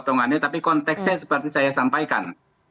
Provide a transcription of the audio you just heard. tapi konteksnya seperti saya sampaikan